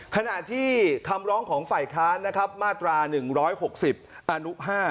ขณะที่คำร้องของฝ่าข้านมาตรา๑๖๐อนุ๕